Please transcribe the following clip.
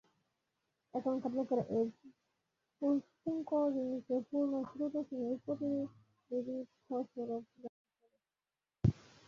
এখনকার লোকেরা এই পূষ্করিণীকে পূর্ণ স্রোতস্বিনীর প্রতিনিধিস্বরূপ জ্ঞান করে।